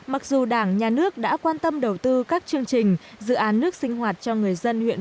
mặc dù đảng nhà nước đã quan tâm đầu tư các chương trình dự án nước sinh hoạt cho người dân huyện